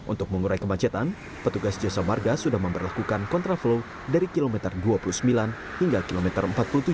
untuk mengurai kemacetan petugas jasa marga sudah memperlakukan kontraflow dari kilometer dua puluh sembilan hingga kilometer empat puluh tujuh